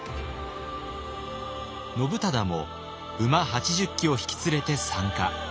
信忠も馬８０騎を引き連れて参加。